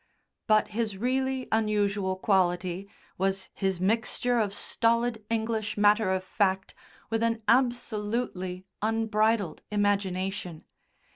But his really unusual quality was his mixture of stolid English matter of fact with an absolutely unbridled imagination.